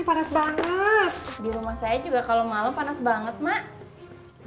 panas banget di rumah saya juga kalau malam panas banget mak